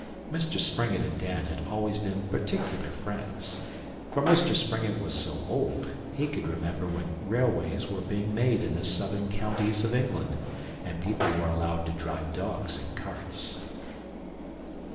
Mr Springett and Dan had always been particular friends, for Mr Springett was so old he could remember when railways were being made in the southern counties of England, and people were allowed to drive dogs in carts.